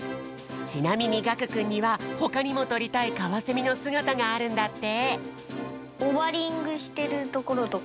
ちなみにがくくんにはほかにもとりたいカワセミのすがたがあるんだって。